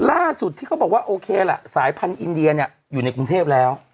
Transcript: ล่าสุดที่เขาบอกว่าโอเคล่ะสายพันธุ์อินเดียเนี่ยอยู่ในกรุงเทพแล้ว